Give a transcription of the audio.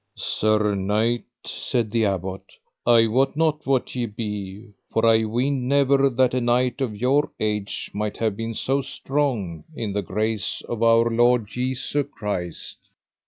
Sir Knight, said the Abbot, I wot not what ye be, for I weened never that a knight of your age might have been so strong in the grace of our Lord Jesu Christ.